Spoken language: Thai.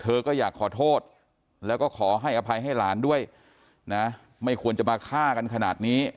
ก็อยากขอโทษแล้วก็ขอให้อภัยให้หลานด้วยนะไม่ควรจะมาฆ่ากันขนาดนี้